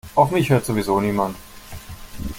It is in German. Auf mich hört sowieso niemand.